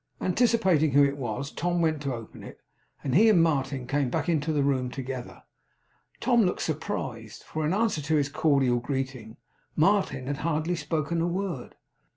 Anticipating who it was, Tom went to open it; and he and Martin came back into the room together. Tom looked surprised, for in answer to his cordial greeting Martin had hardly spoken a word.